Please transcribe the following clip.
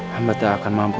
hamba tak akan mampu